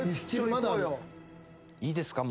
いいですか？